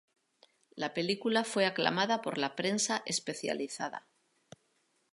La película fue aclamada por la prensa especializada.